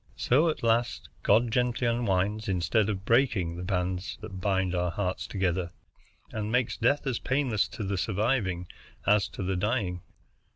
So at last God gently unwinds instead of breaking the bands that bind our hearts together, and makes death as painless to the surviving as to the dying.